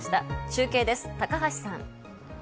中継です、高橋さん。